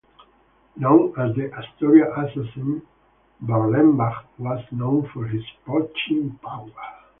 Known as the "Astoria Assassin", Berlenbach was known for his punching power.